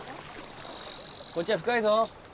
こっちは深いぞ！